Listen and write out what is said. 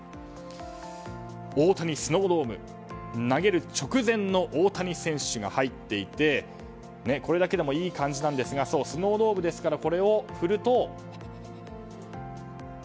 大谷スノードーム投げる直前の大谷選手が入っていてこれだけでもいい感じなんですがスノードームですからこれを振ると。